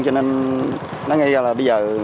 cho nên nói ngay ra là bây giờ